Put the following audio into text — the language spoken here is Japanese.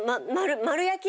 丸焼き？